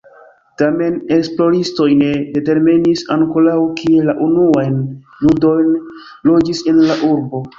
Tamen, esploristoj ne determinis ankoraŭ kie la unuajn judojn loĝis en la urbo.